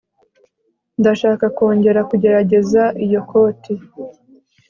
Ndashaka kongera kugerageza iyo koti